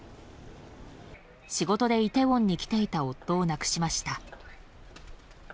仕事でイテウォンに来ていた夫を亡くしました。